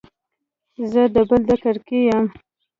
زه د بل د کرکې يم.